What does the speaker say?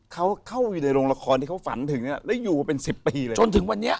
เข้าอยู่ในโรงละครที่เขาฝันถึงแล้วอยู่ว่าเป็น๑๐ปีเลย